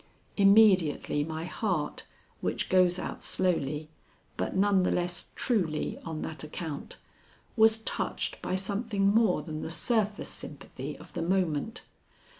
Immediately my heart, which goes out slowly, but none the less truly on that account, was touched by something more than the surface sympathy of the moment.